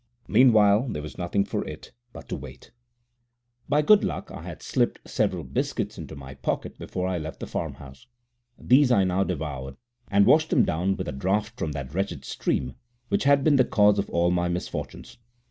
Meanwhile there was nothing for it but to wait. < 8 > By good luck I had slipped several biscuits into my pocket before I left the farm house. These I now devoured, and washed them down with a draught from that wretched stream which had been the cause of all my misfortunes.